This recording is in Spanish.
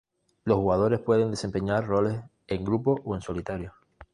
Los jugadores pueden desempeñar roles en grupo o en solitario.